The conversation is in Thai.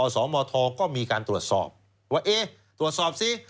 สมทก็มีการตรวจสอบว่าเอ๊ะตรวจสอบซิ